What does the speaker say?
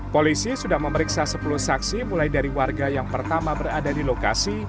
polisi sudah memeriksa sepuluh saksi mulai dari warga yang pertama berada di lokasi